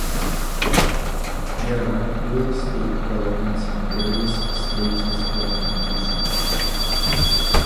There are other real estate developments in various stages of completion.